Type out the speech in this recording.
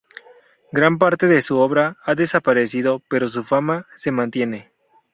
Gran parte de su obra ha desaparecido, pero su fama se mantiene.